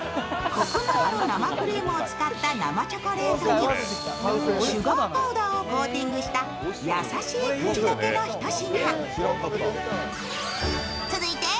コクのある生クリームを使った生チョコレートにシュガーパウダーをコーティングした優しい口溶けのひと品。